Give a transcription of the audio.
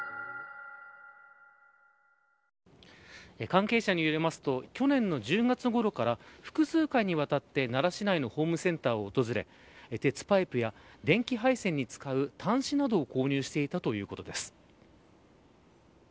関係者によりますと去年の１０月ごろから複数回にわたって、奈良市内のホームセンターを訪れ鉄パイプや電気配線に使う端子などを購入していたということです。